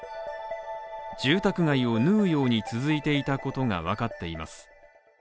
住宅街を縫うように続いていたことがわかっています。